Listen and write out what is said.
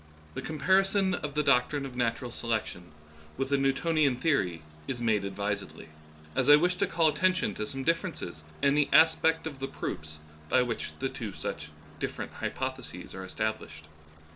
The comparison of the doctrine of natural selec tion with the Newtonian theory is made advisedly, as I wish to call attention to some differences in the aspect of the proofs by which two such differ ent hypotheses are established.